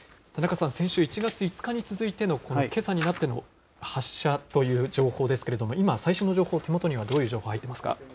田中さん、先週、１月５日に続いてのけさになっての発射という情報ですけれども、今、最新の情報、手元にはどういった情報が入っていますか。